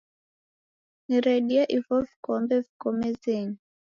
Niredie ivo vikombe viko mezenyi.